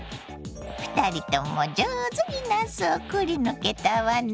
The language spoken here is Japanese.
２人とも上手になすをくりぬけたわね。